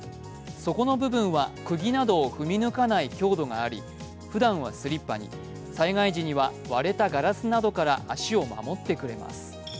底の部分はくぎなどを踏み抜かない強度がありふだんはスリッパに災害時には割れたガラスなどから足を守ってくれます。